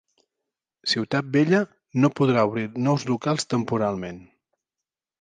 Ciutat Vella no podrà obrir nous locals temporalment